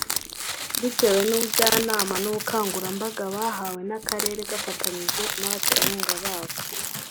bitewe n’ubujyanama n’ubukangurambaga bahawe n’akarere gafatanije n’abaterankunga bako